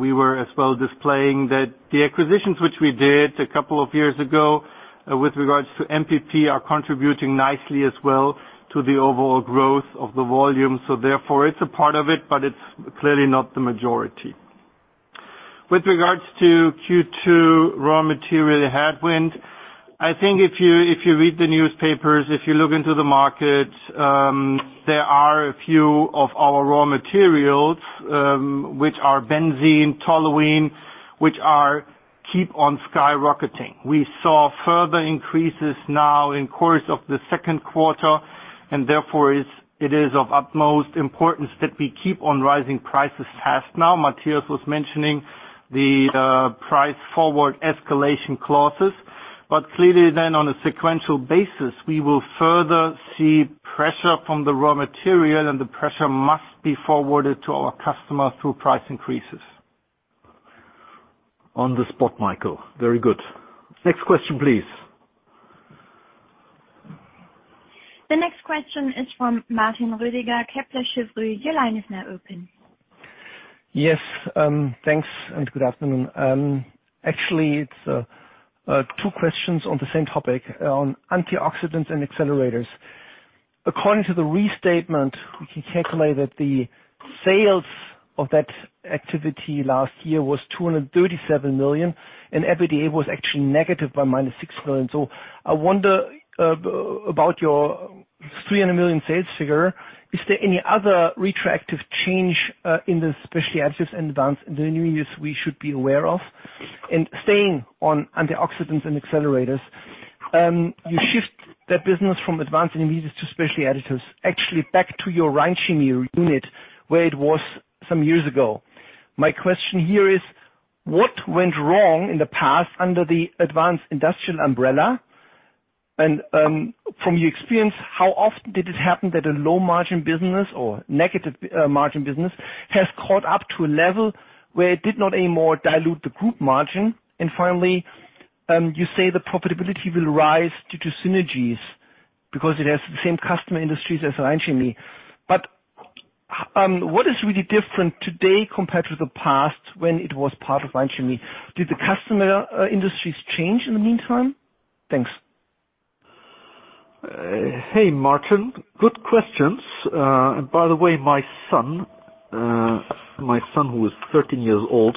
we were as well displaying that the acquisitions which we did a couple of years ago with regards to MPP are contributing nicely as well to the overall growth of the volume. Therefore, it's a part of it, but it's clearly not the majority. With regards to Q2 raw material headwind. I think if you read the newspapers, if you look into the market, there are a few of our raw materials, which are benzene, toluene, which keep on skyrocketing. We saw further increases now in course of the second quarter. Therefore, it is of utmost importance that we keep on rising prices fast now. Matthias was mentioning the price forward escalation clauses. Clearly then on a sequential basis, we will further see pressure from the raw material. The pressure must be forwarded to our customer through price increases. On the spot, Michael. Very good. Next question, please. The next question is from Martin Roediger, Kepler Cheuvreux, your line is now open. Yes, thanks, good afternoon. Actually, it's two questions on the same topic on antioxidants and accelerators. According to the restatement, we can calculate that the sales of that activity last year was 237 million, and EBITDA was actually negative by minus 6 million. I wonder about your 300 million sales figure. Is there any other retroactive change in the Specialty Additives and Advanced Intermediates we should be aware of? Staying on antioxidants and accelerators, you shift that business from Advanced Intermediates to Specialty Additives, actually back to your Rhein Chemie unit where it was some years ago. My question here is, what went wrong in the past under the Advanced Industrial umbrella? From your experience, how often did it happen that a low margin business or negative margin business has caught up to a level where it did not anymore dilute the group margin? Finally, you say the profitability will rise due to synergies because it has the same customer industries as Rhein Chemie. What is really different today compared to the past when it was part of Rhein Chemie? Did the customer industries change in the meantime? Thanks. Hey, Martin. Good questions. By the way, my son who is 13 years old,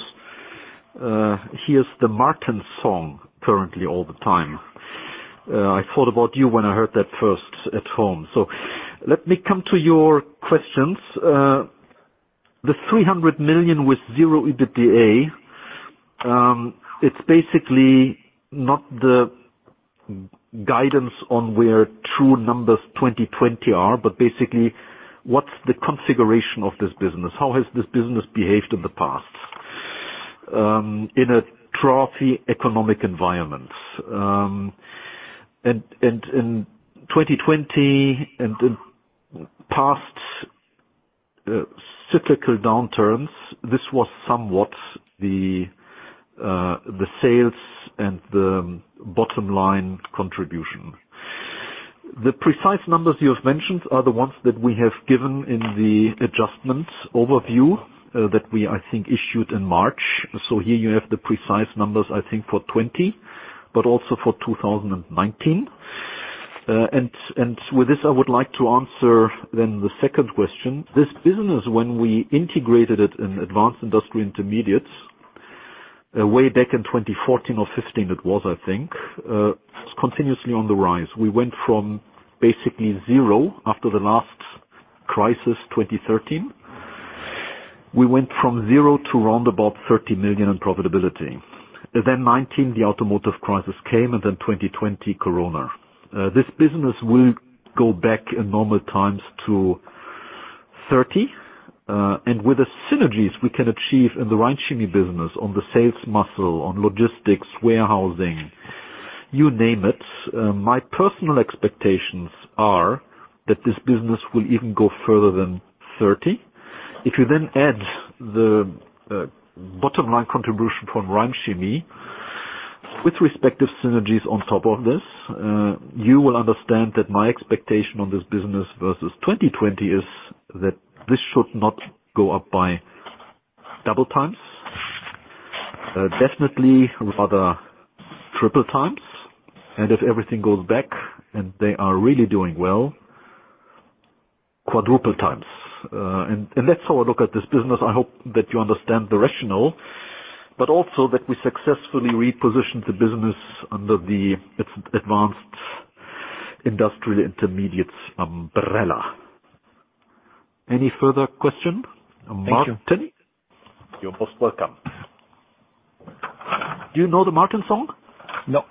hears the Martin song currently all the time. I thought about you when I heard that first at home. Let me come to your questions. The 300 million with zero EBITDA, it's basically not the guidance on where true numbers 2020 are, but basically what's the configuration of this business? How has this business behaved in the past in a trophy economic environment? In 2020 and in past cyclical downturns, this was somewhat the sales and the bottom line contribution. The precise numbers you have mentioned are the ones that we have given in the adjustments overview that we, I think, issued in March. Here you have the precise numbers, I think, for 2020, but also for 2019. With this, I would like to answer then the second question. This business, when we integrated it in Advanced Industrial Intermediates, way back in 2014 or 2015 it was, I think, it's continuously on the rise. We went from basically zero after the last crisis, 2013. We went from zero to round about 30 million in profitability. 2019, the automotive crisis came, 2020, Corona. This business will go back in normal times to 30. With the synergies we can achieve in the Rhein Chemie business on the sales muscle, on logistics, warehousing, you name it, my personal expectations are that this business will even go further than 30. If you add the bottom line contribution from Rhein Chemie with respective synergies on top of this, you will understand that my expectation on this business versus 2020 is that this should not go up by double times. Definitely rather 3x, if everything goes back and they are really doing well, 4x. That's how I look at this business. I hope that you understand the rationale, but also that we successfully repositioned the business under the Advanced Industrial Intermediates umbrella. Any further question, Martin? Thank you. You're most welcome. Do you know the Martin song? No.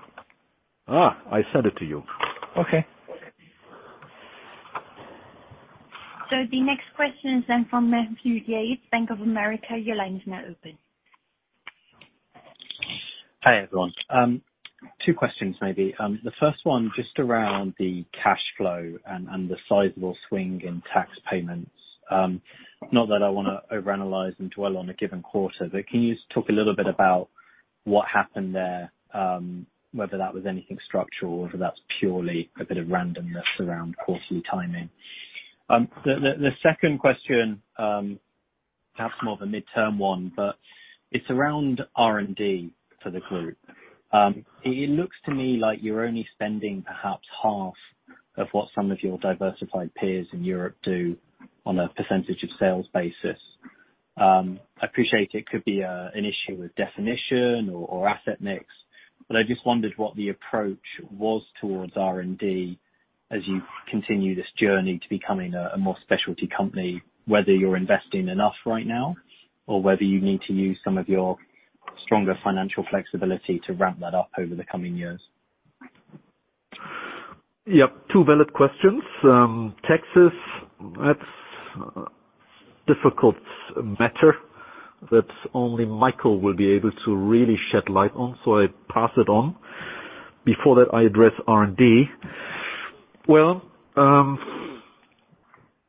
I send it to you. Okay. The next question is then from Matthew Yates, Bank of America, your line is now open. Hi, everyone. Two questions maybe. The first one, just around the cash flow and the sizable swing in tax payments. Not that I want to overanalyze and dwell on a given quarter, but can you talk a little bit about what happened there? Whether that was anything structural or whether that's purely a bit of randomness around quarterly timing. The second question, perhaps more of a midterm one, but it's around R&D for the group. It looks to me like you're only spending perhaps half of what some of your diversified peers in Europe do on a percentage of sales basis. I appreciate it could be an issue with definition or asset mix, but I just wondered what the approach was towards R&D as you continue this journey to becoming a more specialty company, whether you're investing enough right now, or whether you need to use some of your stronger financial flexibility to ramp that up over the coming years. Yep. Two valid questions. Taxes, that's a difficult matter that only Michael will be able to really shed light on. I pass it on. Before that, I address R&D. Well,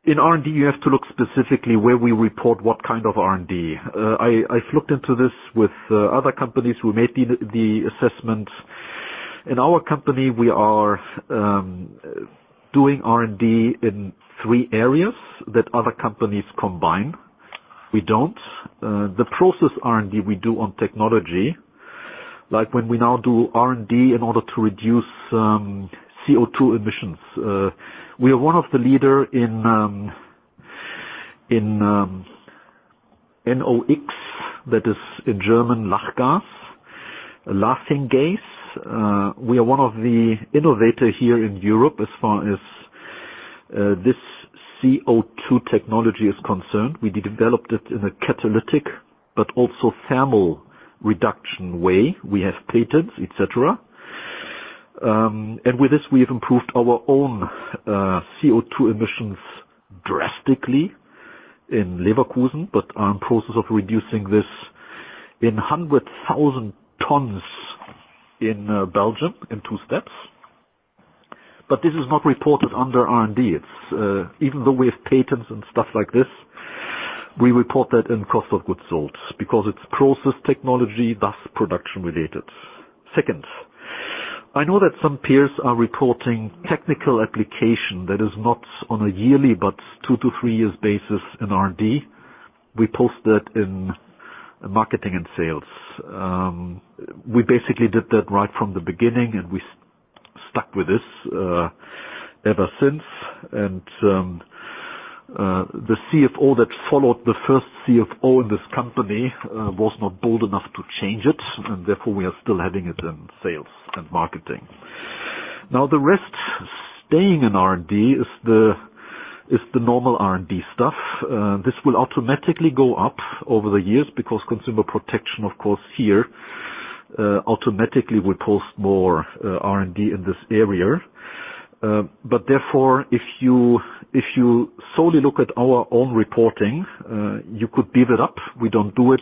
in R&D, you have to look specifically where we report what kind of R&D. I've looked into this with other companies who made the assessment. In our company, we are doing R&D in three areas that other companies combine. We don't. The process R&D we do on technology, like when we now do R&D in order to reduce CO2 emissions. We are one of the leader in N2O, that is, in German, laughing gas. We are one of the innovators here in Europe as far as this CO2 technology is concerned. We developed it in a catalytic but also thermal reduction way. We have patents, et cetera. With this, we have improved our own CO2 emissions drastically in Leverkusen, but are in process of reducing this in 100,000 tons in Belgium in two steps. This is not reported under R&D. Even though we have patents and stuff like this, we report that in cost of goods sold, because it's process technology, thus production-related. Second, I know that some peers are reporting technical application that is not on a yearly but two to three years basis in R&D. We post that in Marketing and Sales. We basically did that right from the beginning, and we stuck with this ever since. The CFO that followed the first CFO in this company was not bold enough to change it, and therefore, we are still having it in Sales and Marketing. The rest staying in R&D is the normal R&D stuff. This will automatically go up over the years because Consumer Protection, of course here, automatically will post more R&D in this area. Therefore, if you solely look at our own reporting, you could beef it up. We don't do it,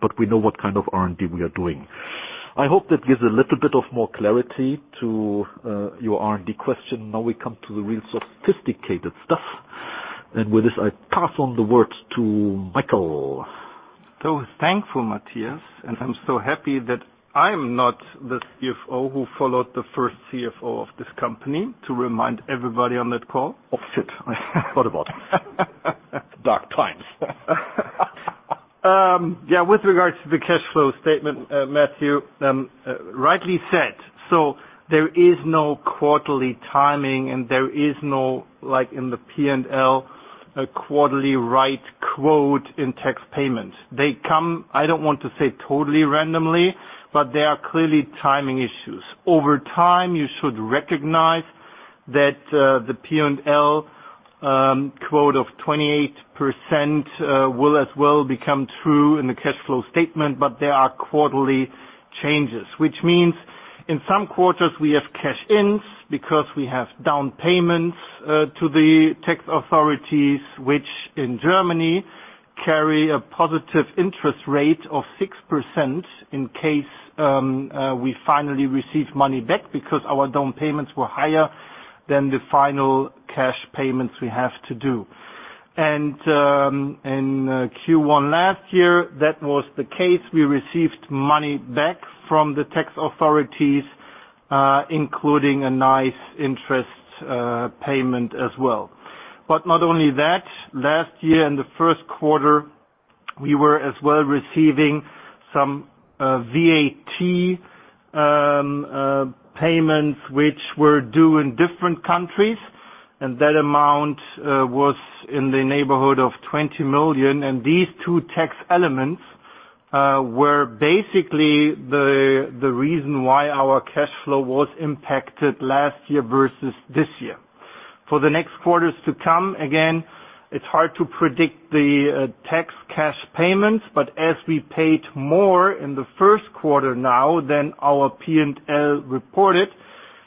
but we know what kind of R&D we are doing. I hope that gives a little bit of more clarity to your R&D question. Now we come to the real sophisticated stuff. With this, I pass on the words to Michael. Thankful, Matthias, and I'm so happy that I'm not the CFO who followed the first CFO of this company, to remind everybody on that call. Oh, shit. I forgot about it. Dark times. With regards to the cash flow statement, Matthew rightly said. There is no quarterly timing, and there is no, like in the P&L, a quarterly right quote in tax payment. They come, I don't want to say totally randomly, but there are clearly timing issues. Over time, you should recognize that the P&L quote of 28% will as well become true in the cash flow statement, but there are quarterly changes, which means in some quarters we have cash-ins because we have down payments to the tax authorities, which in Germany carry a positive interest rate of 6% in case we finally receive money back because our down payments were higher than the final cash payments we have to do. In Q1 last year, that was the case. We received money back from the tax authorities, including a nice interest payment as well. Not only that, last year in the first quarter, we were as well receiving some VAT payments which were due in different countries, and that amount was in the neighborhood of 20 million. These two tax elements were basically the reason why our cash flow was impacted last year versus this year. For the next quarters to come, again, it's hard to predict the tax cash payments, but as we paid more in the first quarter now than our P&L reported,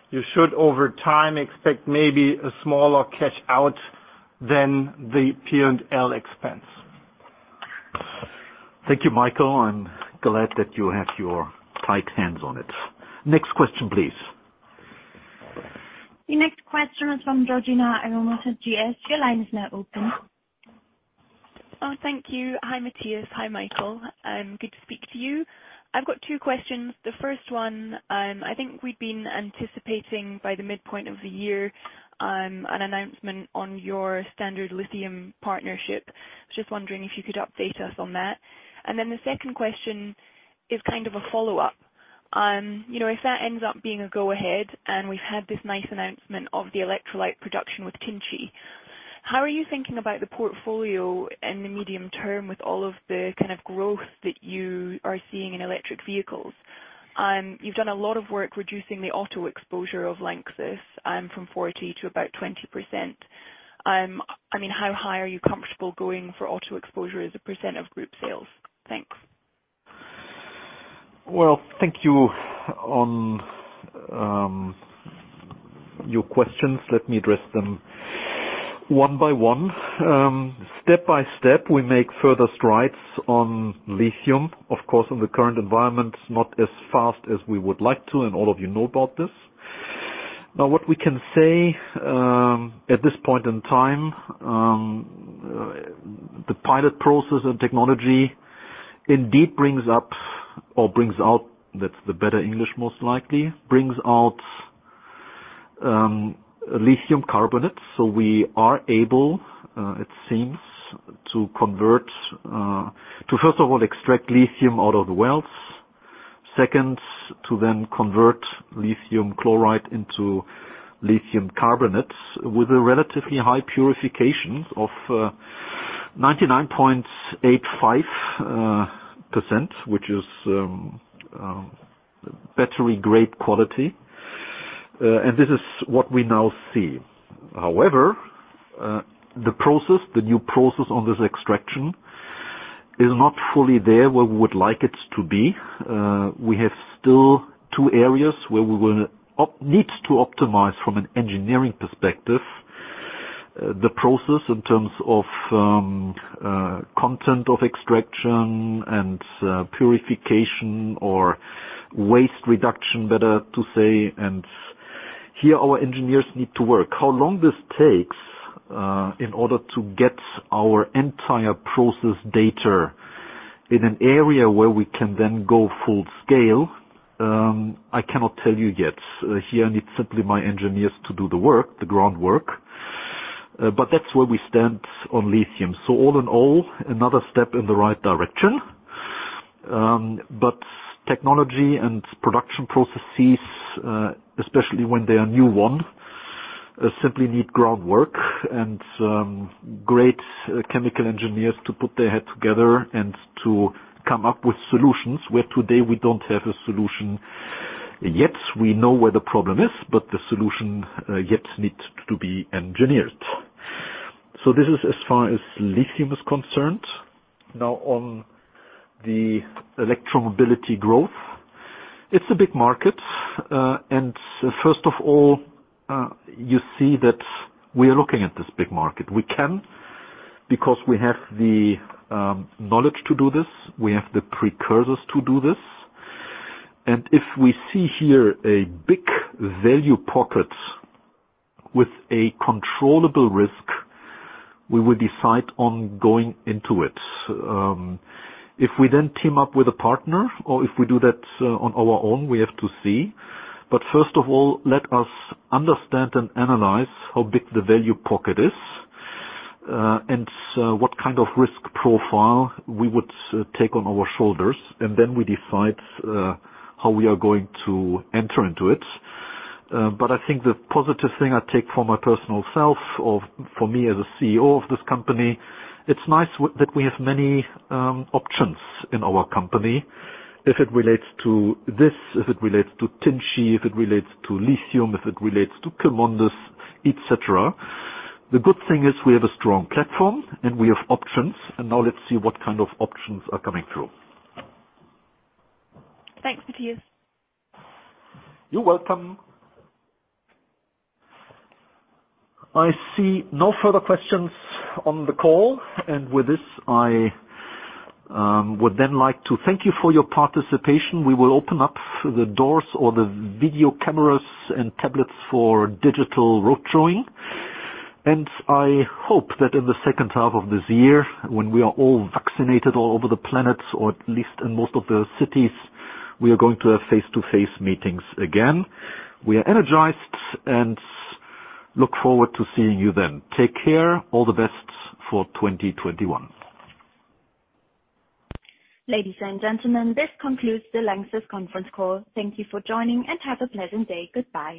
you should, over time, expect maybe a smaller cash out than the P&L expense. Thank you, Michael. I'm glad that you have your tight hands on it. Next question, please. The next question is from Georgina at Goldman Sachs. Your line is now open. Oh, thank you. Hi, Matthias. Hi, Michael. Good to speak to you. I've got two questions. The first one, I think we'd been anticipating by the midpoint of the year, an announcement on your Standard Lithium partnership. Just wondering if you could update us on that. The second question is kind of a follow-up. If that ends up being a go-ahead and we've had this nice announcement of the electrolyte production with Tinci, how are you thinking about the portfolio in the medium term with all of the kind of growth that you are seeing in electric vehicles? You've done a lot of work reducing the auto exposure of Lanxess from 40 to about 20%. How high are you comfortable going for auto exposure as a percent of group sales? Thanks. Well, thank you on your questions. Let me address them one by one. Step by step, we make further strides on lithium. Of course, in the current environment, not as fast as we would like to. All of you know about this. What we can say, at this point in time, the pilot process and technology indeed brings up or brings out, that's the better English, most likely, brings out lithium carbonate. We are able, it seems, to first of all extract lithium out of the wells. Second, to then convert lithium chloride into lithium carbonate with a relatively high purification of 99.85%, which is battery-grade quality. This is what we now see. However, the new process on this extraction is not fully there where we would like it to be. We have still two areas where we will need to optimize from an engineering perspective, the process in terms of content of extraction and purification or waste reduction, better to say. Here, our engineers need to work. How long this takes in order to get our entire process data in an area where we can then go full scale, I cannot tell you yet. Here, I need simply my engineers to do the work, the groundwork. That's where we stand on lithium. All in all, another step in the right direction. Technology and production processes, especially when they are new one, simply need groundwork and some great chemical engineers to put their head together and to come up with solutions where today we don't have a solution yet. We know where the problem is, the solution yet needs to be engineered. This is as far as lithium is concerned. On the electromobility growth, it's a big market. First of all, you see that we are looking at this big market. We can because we have the knowledge to do this. We have the precursors to do this. If we see here a big value pocket with a controllable risk, we will decide on going into it. If we then team up with a partner or if we do that on our own, we have to see. First of all, let us understand and analyze how big the value pocket is, and what kind of risk profile we would take on our shoulders, and then we decide how we are going to enter into it. I think the positive thing I take for my personal self or for me as a CEO of this company, it's nice that we have many options in our company. If it relates to this, if it relates to Tinci, if it relates to lithium, if it relates to Chemondis, et cetera. The good thing is we have a strong platform and we have options, and now let's see what kind of options are coming through. Thanks, Matthias. You're welcome. I see no further questions on the call. With this, I would then like to thank you for your participation. We will open up the doors or the video cameras and tablets for digital road showing. I hope that in the second half of this year, when we are all vaccinated all over the planet, or at least in most of the cities, we are going to have face-to-face meetings again. We are energized and look forward to seeing you then. Take care. All the best for 2021. Ladies and gentlemen, this concludes the Lanxess conference call. Thank you for joining, and have a pleasant day. Goodbye.